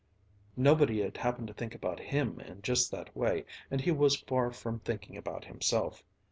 Nobody had happened to think about him in just that way, and he was far from thinking about himself.